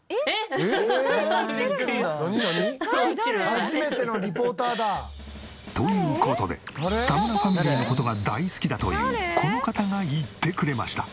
「初めてのリポーターだ」という事で田村ファミリーの事が大好きだというこの方が行ってくれました。